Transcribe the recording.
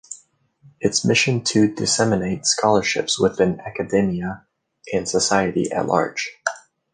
Its mission is to disseminate scholarship within academia and society at large.